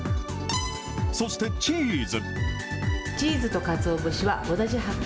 そしてチーズ。